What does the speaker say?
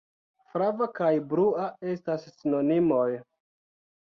Flava kaj blua estas sinonimoj!